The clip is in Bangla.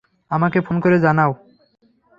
আমাকে ফোন করে জানাও।